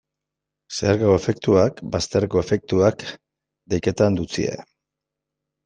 Zeharkako efektuak, bazterreko efektuak, deitzen diete.